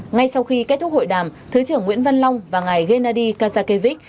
ngay sau khi kết thúc hội đàm thứ trưởng nguyễn văn long và ngài gennady kazakevich